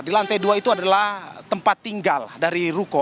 di lantai dua itu adalah tempat tinggal dari ruko